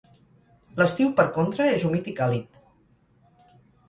L'estiu per contra és humit i càlid.